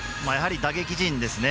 打撃陣ですね。